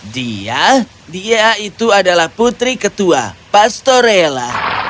dia dia itu adalah putri ketua pastorella